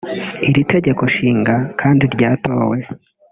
Iri tegekonshinga kandi ryatowe